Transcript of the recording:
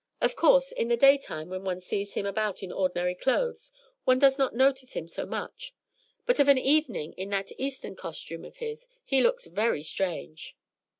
Of course, in the daytime, when one sees him about in ordinary clothes, one does not notice him so much; but of an evening, in that Eastern costume of his, he looks very strange."